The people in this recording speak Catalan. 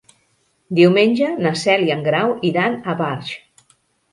Diumenge na Cel i en Grau iran a Barx.